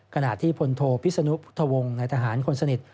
ขณะที่พลโทพิศนุพุทธวงศ์ในทหารคนสนิท